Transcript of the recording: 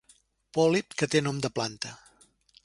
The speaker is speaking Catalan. Pòlip que té nom de planta.